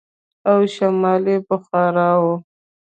او شمال يې بخارا و.